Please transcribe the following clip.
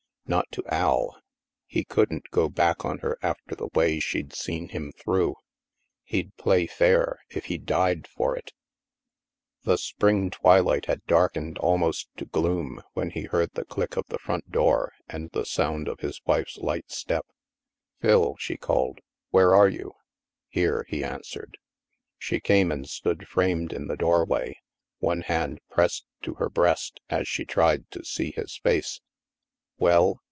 Not to Al! He couldn't go back on her after the way she'd seen him through. He'd play fair if he died for it The spring twilight had darkened almost to gloom when he heard the click of the front door and the sound of his wife's light step. " Phil,'' she called, " where are you? " "Here," he answered. She came and stood framed in the doorway, one hand pressed to her breast, as she tried to see his face. "Well?"